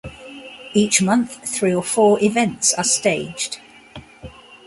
Each month, three or four events are staged.